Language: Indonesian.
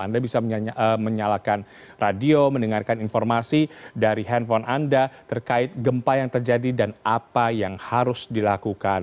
anda bisa menyalakan radio mendengarkan informasi dari handphone anda terkait gempa yang terjadi dan apa yang harus dilakukan